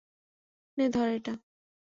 নে, ধর এটা।